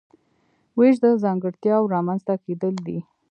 وېش د ځانګړتیاوو رامنځته کیدل دي.